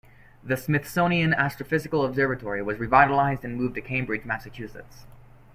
The Smithsonian Astrophysical Observatory was revitalized and moved to Cambridge, Massachusetts.